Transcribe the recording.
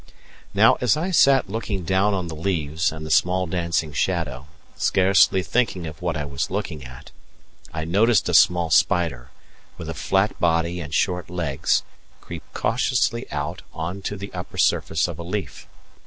Now, as I sat looking down on the leaves and the small dancing shadow, scarcely thinking of what I was looking at, I noticed a small spider, with a flat body and short legs, creep cautiously out on to the upper surface of a leaf.